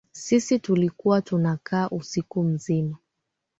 Sisi tulikuwa tunakaa usiku mzima